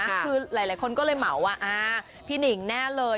คือหลายคนก็เลยเหมาว่าอ่าพี่หนิงแน่เลย